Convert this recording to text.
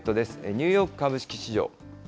ニューヨーク株式市場。